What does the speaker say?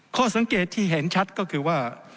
ข้อสังเกตที่เห็นชัดก็คือว่า